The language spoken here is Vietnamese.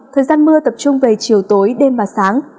thời gian mưa tập trung về chiều tối đêm và sáng